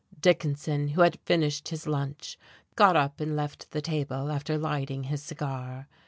Dickinson, who had finished his lunch, got up and left the table after lighting his cigar.